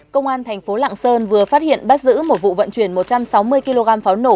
công an thành phố lạng sơn vừa phát hiện bắt giữ một vụ vận chuyển một trăm sáu mươi kg pháo nổ